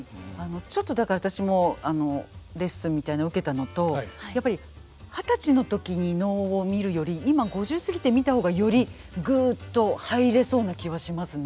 ちょっとだから私もレッスンみたいなの受けたのとやっぱり二十歳の時に能を見るより今５０過ぎて見た方がよりぐっと入れそうな気はしますね。